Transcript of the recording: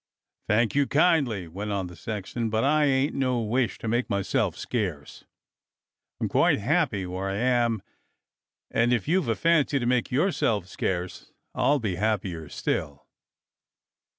"Thank you kindly," went on the sexton, "but I ain't no wish to make myself scarce. I'm quite happy where I am, and if you've a fancy to make yourself scarce, I'll be happier still."